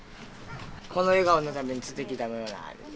この笑顔のために釣ってきたよなって。